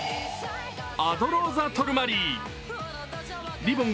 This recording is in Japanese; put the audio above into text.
アドローザトルマリィ。